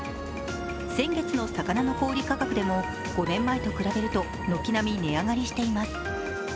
先月の魚の小売価格でも５年前と比べると軒並み値上がりしています。